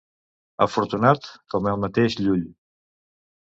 Afortunat com el mateix Llull.